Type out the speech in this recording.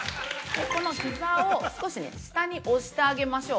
このひざを少し下に押してあげましょう。